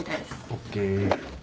ＯＫ。